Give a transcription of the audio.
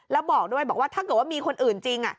แล้วบอกด้วยบอกว่าถ้าเกิดว่ามีคนอื่นจริง